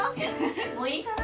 もういいかな？